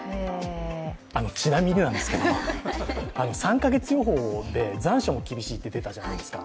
ちなみに３か月予報で残暑も厳しいって出たじゃないですか。